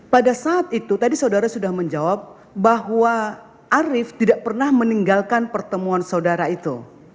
pada saat itu tadi saudara sudah menjawab bahwa arief tidak pernah meninggalkan pertemuan saudara itu